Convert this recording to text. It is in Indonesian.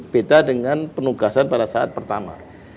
beda dengan penugasan pada saat pertama